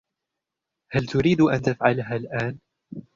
هل تريد أن تفعلها الآن ؟